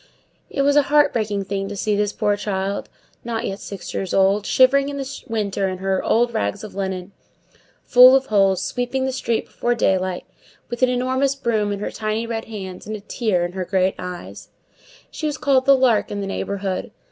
It was a heart breaking thing to see this poor child, not yet six years old, shivering in the winter in her old rags of linen, full of holes, sweeping the street before daylight, with an enormous broom in her tiny red hands, and a tear in her great eyes. [Illustration: Cossette Sweeping] She was called the Lark in the neighborhood.